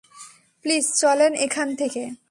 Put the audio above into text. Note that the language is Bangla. প্লিজ চলেন এখান থেকে।